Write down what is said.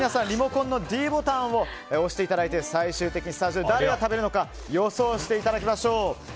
リモコンのｄボタンを押していただいて最終的にスタジオで誰が食べれるのか予想していただきましょう。